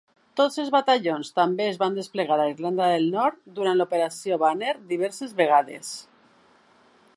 Tots els batallons també es van desplegar a Irlanda del Nord durant l'operació Banner diverses vegades.